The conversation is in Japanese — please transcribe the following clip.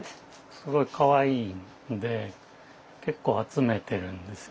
すごいかわいいんで結構集めてるんですよ。